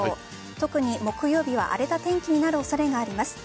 特に木曜日は荒れた天気になる恐れがあります。